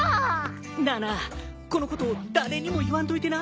なあなあこのこと誰にも言わんといてな。